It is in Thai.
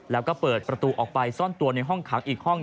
แล้วก็เปิดประตูออกไปซ่อนตัวในห้องขังอีกห้อง